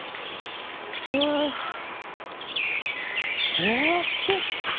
うわあ大きい！